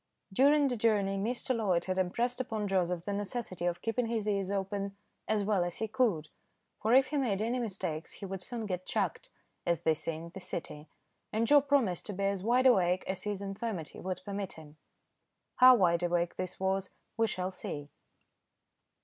During the journey, Mr. Loyd had impressed upon Joseph the necessity of keeping his ears open as well as he could, for if he made any mistakes he would soon get "chucked," as they say in the City, and Joe promised to be as wideawake as his infirmity would permit him. How wideawake this was, we shall see.